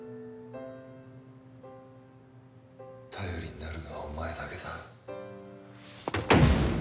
頼りになるのはお前だけだ。